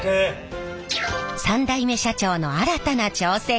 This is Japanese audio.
３代目社長の新たな挑戦。